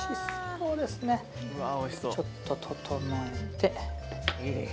ちょっと整えて。